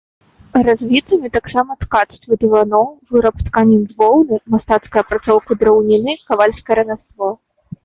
Развітымі таксама ткацтва дываноў, выраб тканін з воўны, мастацкая апрацоўка драўніны, кавальскае рамяство.